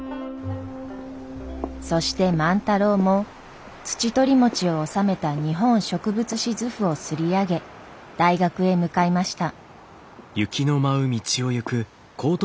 そして万太郎もツチトリモチを収めた「日本植物志図譜」を刷り上げ大学へ向かいました。